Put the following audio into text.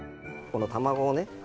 この卵をね。